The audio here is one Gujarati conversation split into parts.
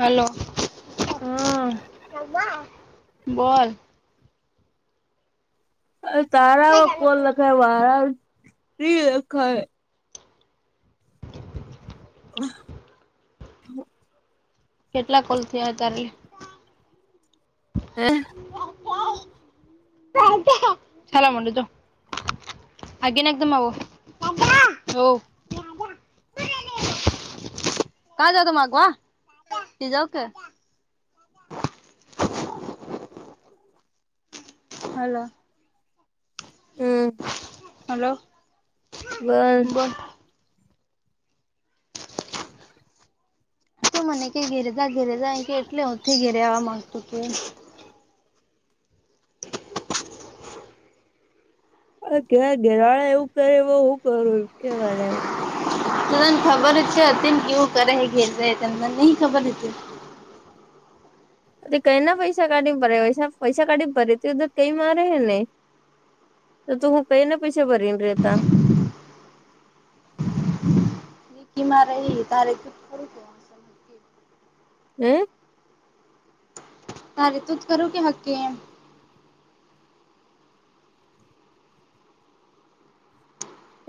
હલો હા બોલ. અ તારા કોલ લખાય મારા ની લખાય [inaudible] કેટલા કોલ થયા તારા લે છાનુ મનુ જો [inaudible] આગે ના એકદમવ હો કા જાવા તા માગવા ત જઓ કે [unintelligible] હલો. હમ હલો. [inaudible] બોલ તો મને કે ઘેરેદા ધેરદા એકે એટલે ઉઠી ગેયલા માંગતું કે હ કેવા ઘેરાળા એવું કરે હું કરું કેવાને તદન ખબર છે હતી કેવું કરે એ ઘેર તને ન ખબર હ હતી [inaudible] કઈ ના પૈસા કાઢી પડે પૈસા કાઢી પડેર કઈ મારે હે ને તો તું હું કઈ નાને પૈસા ભરીને ર રહેતા કી મા ર તારે ખરું કે હું. તારે તુંજ કરું કે હકે એમ.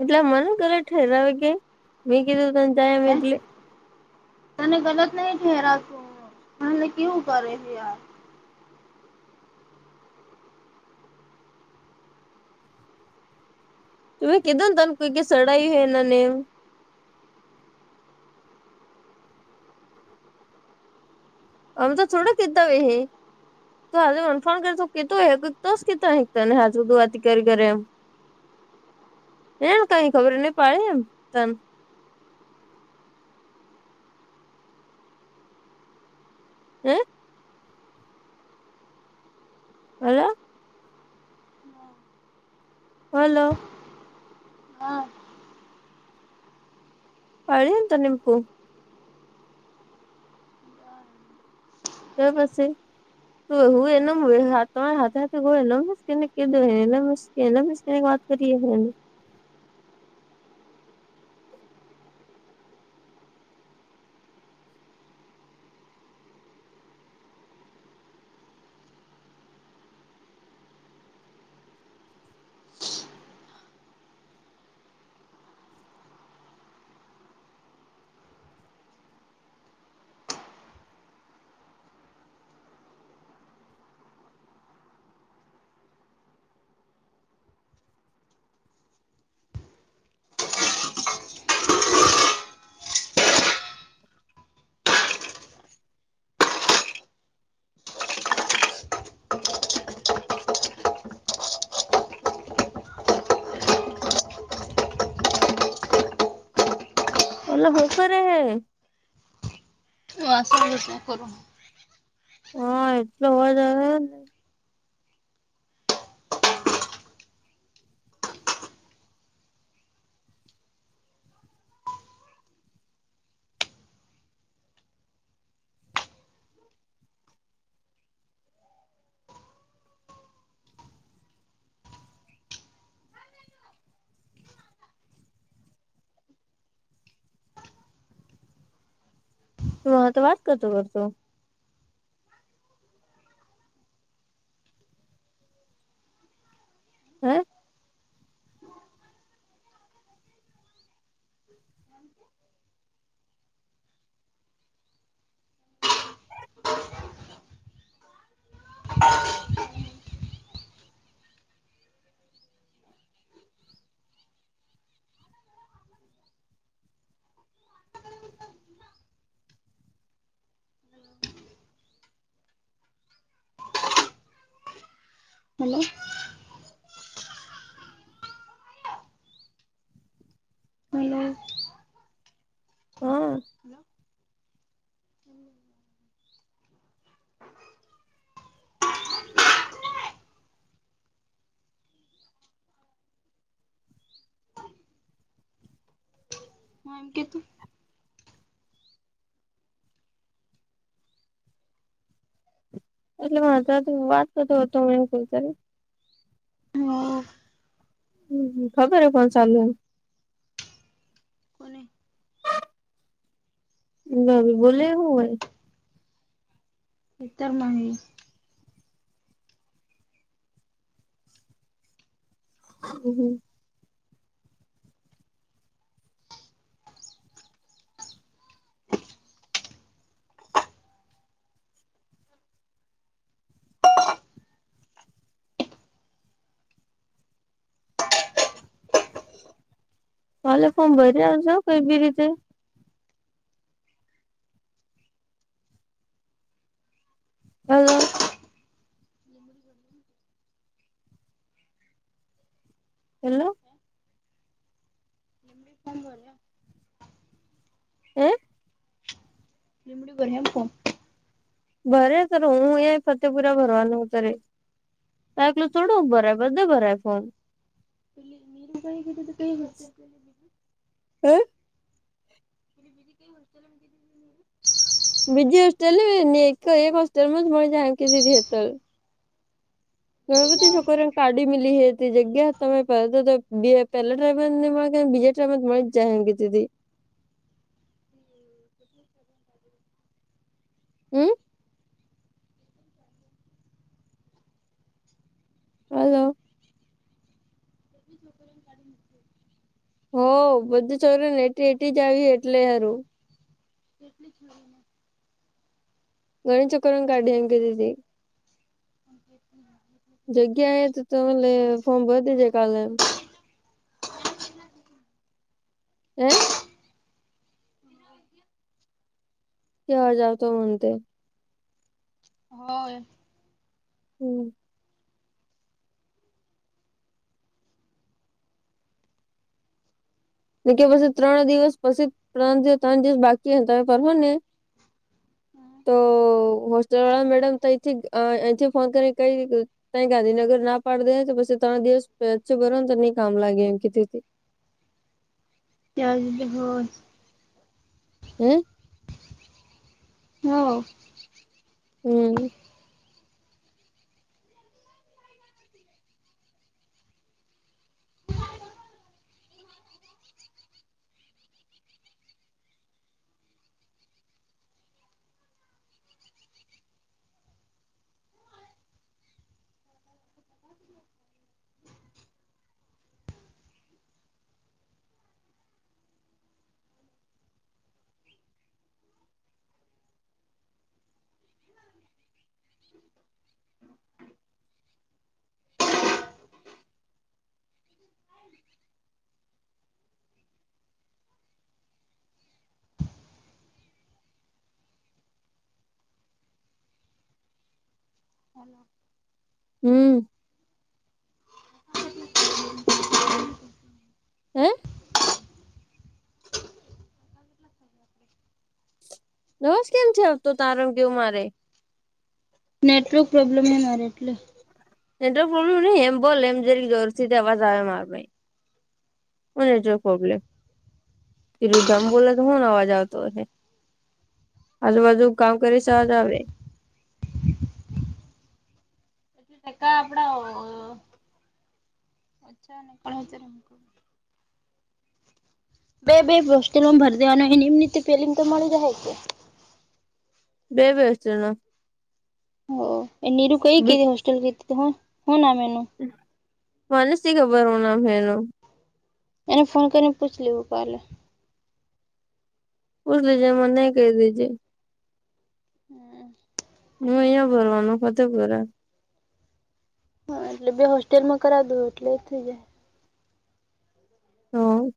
એટલે મન કર ઠેરાવે કે મેં કીધું તને જાય એમ હે એટલે તને ગલત નહી ઠેરાવશું એલે કેવું કરે છે યાર. તમે કધો ને તનું કોઈ કે સડાયું હોય એના નેમ અન તો થોડા કેતો હોવે હે. તો આજે ઓળખાણ કરશ કેતો હે કેતો હેને [unintelligible] વાતી કરી કરે એમ [inaudible] એ કઈ ખબર નહી પડે એમ તને હે હલો. હલો. હા પળી તને કો તો પસી તો હું એ એનું [unintelligible] તમાર હાથે હાથે [unintelligible] કેના [unintelligible] વાત કરીએને ઓલો હું કરે હે શું વાસણ ગશું હું કરું હા એટલો અવાજ આવે હેન ફુવા હાથે વાત કરતો કરતો હા. [inaudible] [inaudible] હલો. હલો. હા. હ એમ કે તું એટલે માસાથી વાત કરતો હતો હું એમ કઉ કરી હ હમ્મ હમ્મ ખબર હે ફોન ચાલુ હે કોને [unintelligible] બોલે હું વળી ખેતરમાં હે [unintelligible] હમ્મ હમ્મ ભલે ફોર્મ ભર્યા હશે કોઈ બી રીતે હલ્લો. [inaudible] હેલો. [unintelligible] ફોર્મ ભર્યા હે [unintelligible] ભર્યા ફોર્મ ભરે તો હું એ ફતેપુરા ભરવાનું ત્રે તો એકલો થોડો ભરાય બધે ભરાય ફોર્મ [unintelligible] હ [unintelligible] બીજી હોસ્ટેલ હે ને એક એક હોસ્ટેલમાં [unintelligible] ઘણી બધી છોકરી કાઢી મીલી હે તે જગ્યા તમે ભણતા તો [unintelligible] પહેલા ટ્રાઈવર [unintelligible] મળી જ જાય એમ કેતીતી [inaudible] હમ્મ. હલો. [unintelligible] હો બધું ચોર ને, એ. એટી જ આવી એટલે સારું. [unintelligible] ગણી ચક્રર કાઢીં કે દી હતી. [unintelligible] જગ્યા એ તો તમને ફોર્મ ભર દેજે કાલે. હમ. [unintelligible] કેવા જાવ, તો મતે. હોય. હમ. કે પછી ત્રણ દિવસ પછી, ત્રણિવ-ત્રણ દિવસ બાકી તમે ફરહો ને. હમ. તો હોસ્ટેલ વાળા મેડમ તથી એથી ફોન કરી કઈ. તઈ ગાંધીનગર ના પાડ દે, તો પછી ત્રણ દિવસ બરો ને, તો નની કામ લાગે એમથી. ત્યાં જ હોય. હમ. હા. હમ. હ [unintelligible] હમ. [inaudible] હે? દસ કેમ છે? આવતો તાર ગવું મારે. નેટવર્ક પ્રોબ્લેમ નરે એટલે. એ પ્રબ્લેમ નહી, એમ બોલ એમ જે જરૂર આ આવે મારા ભાઈ. અને જો કોગલે. તિરુ ધમ બોલ તો, હન અવાજ આવતો હ. આજું બધું કામ કરી સવાજ આવે. તકા આપડા. અચ્છા, ના કોણ હજમક? બે-બે પોસ્ટલમાં ભરી દેવાનું, એ એમ ફેલમ તો મળી રહે છે. બે બેશે ને. હો એ નનીરું કહી કે, હોસ્ટલ હને આ મેનુ. મનેસ થી ખબર હો ના ફેનો. એને ફોન કરીને, પૂછી લેવું કાલે. બછજ મને ક દીજ. હમ. હું અહીં ભરવાનું કતે ભરાય. હા, એટલે બે હોસ્ટેલ માં કરાવ દું, એટલે એ થઈ જાય. તો.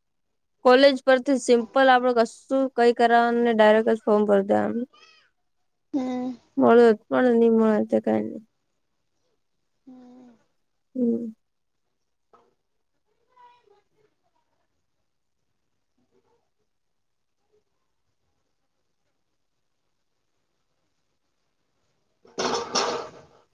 હ [unintelligible] કોલેજ પરથી સિમ્પલ આપડે કશું કઈ કરવાનુંને, ડાયરેક્ટ જ ફોર્મ ભરી દેવાનું. હમ મળ્યો, પણ નહી મળે છે, કઈ નહીં. હમ. હમ. હમ [unintelligible] [inaudible]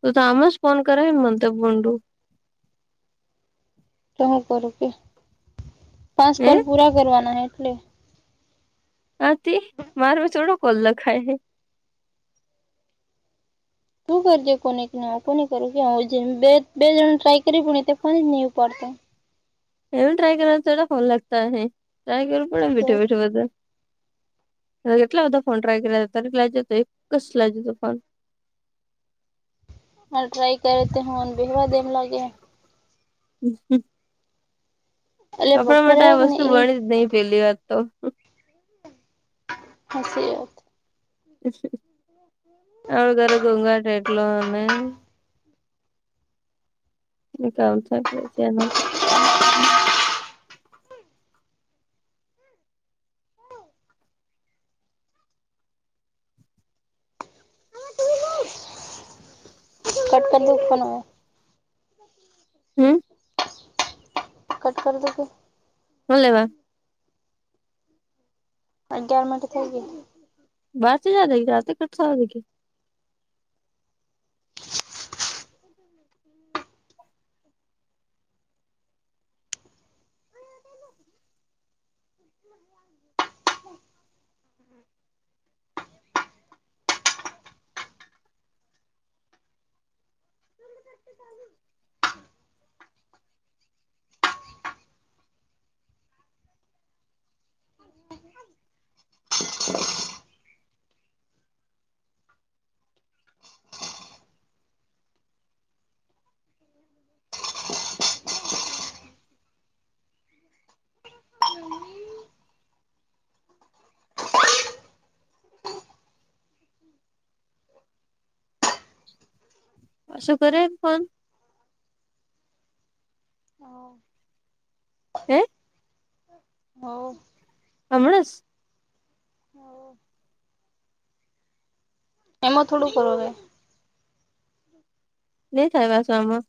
તું તો આમાંજ ફોન કરે ને મન તો ફોન તુ. તો હું કરું કે પાંચ હે કોલ પૂરા કરવાના એટલે આરતી મારુ થોડુ કોલ લખાય હૈ. તુ કરજે કોનેક ને આ કોનેક કરુ કે આ જેમ બે બે જણ ને ટ્રાય કરયુ પણ એ મેતે ફોન જ નહિ ઉપાડતા. એવું ટ્રાય કરડા ફોન લાગતા હ એ ટ્રાય કરું પડે તો બેઠો બેઠું બધે. કેટલા બધા ફોન ટ્રાય કર્યા હતા ત્યારે લજે હતો એક જ લાગજે હતો ફોન હ ટ્રાઈ કરે તે હુંન બેહવા દેમ લાગયા. હ [unintelligible] એટલે આપણા માટે બપોરે આ કે ને વસ્તુ એ બણી જ નઈ પેલી વાત તો હાચી વાત હળ ઘર ગંઘાટ એટલોને. કામ થાય પડે છે એના [inaudible] કટ કર દે ફોનો. હમ. કટ કર દો ફોન. શું લેવા. અગિયાર મિનિટ તો થઈ ગઈ. બાર [unintelligible] [unintelligible] [inaudible] [inaudible] [inaudible] [inaudible] [inaudible] પાસુ કરે ફોન? હા. હે. હોવ. અમણાં હોઓ. એમાં થોડુંક હોવે. ની થાય અસલમાં.